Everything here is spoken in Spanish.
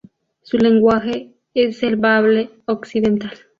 Su lenguaje es el bable occidental.